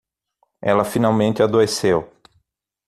Ela finalmente adoeceu